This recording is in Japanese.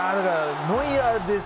ノイアーです